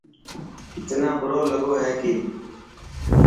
تنا برو لڳو هي ڪي.